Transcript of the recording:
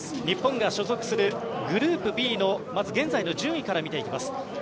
日本が所属するグループＢのまず、現在の順位から見ていきます。